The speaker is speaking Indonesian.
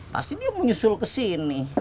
pasti dia menyusul ke sini